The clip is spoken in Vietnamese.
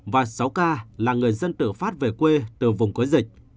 và sáu ca là người dân tự phát về quê từ vùng có dịch